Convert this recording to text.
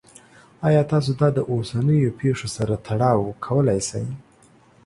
ایا تاسو دا د اوسنیو پیښو سره تړاو کولی شئ؟